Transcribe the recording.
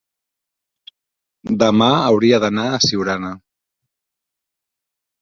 demà hauria d'anar a Siurana.